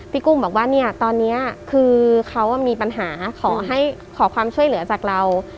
กุ้งบอกว่าเนี่ยตอนนี้คือเขามีปัญหาขอความช่วยเหลือจากเรา